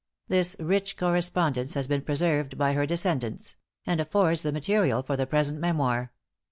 This rich correspondence has been preserved by her descendants; and affords the material for the present memoir.